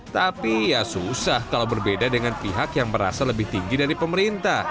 tapi ya susah kalau berbeda dengan pihak yang merasa lebih tinggi dari pemerintah